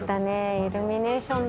イルミネーションだ！